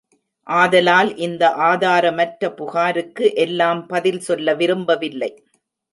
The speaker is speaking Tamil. ஆதலால் இந்த ஆதாரமற்ற புகாருக்கு எல்லாம் பதில் சொல்ல விரும்பவில்லை.